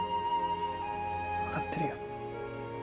分かってるよ。